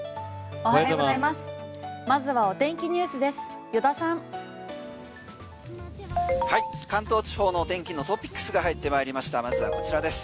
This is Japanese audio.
おはようございます。